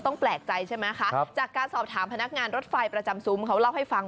ต้องแปลกใจใช่มั้ยครับจากการสอนหาคมพนักงานรถไฟประจำซุมเขาเล่าให้ฟัง